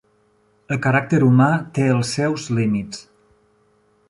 El caràcter humà té els seus límits.